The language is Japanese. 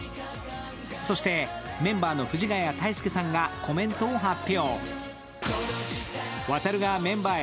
そして、メンバーの藤ヶ谷太輔さんがコメントを発表。